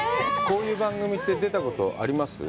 こういう番組って、出たことはあります？